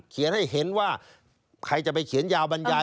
ให้เห็นว่าใครจะไปเขียนยาวบรรยาย